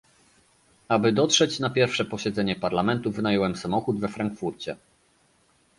Aby dotrzeć na pierwsze posiedzenie Parlamentu wynająłem samochód we Frankfurcie